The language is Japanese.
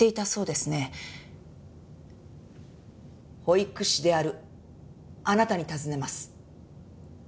保育士であるあなたに尋ねます。